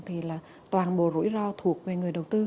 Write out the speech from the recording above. thì là toàn bộ rủi ro thuộc về người đầu tư